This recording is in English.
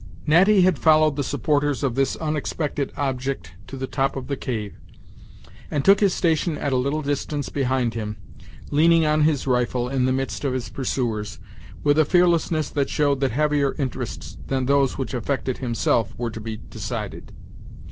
Natty had followed the supporters of this unexpected object to the top of the cave, and took his station at a little distance behind him, leaning on his rifle, in the midst of his pursuers, with a fearlessness that showed that heavier interests than those which affected himself were to be decided.